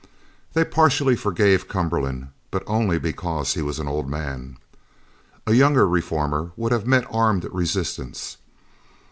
They partially forgave Cumberland, but only because he was an old man. A younger reformer would have met armed resistance.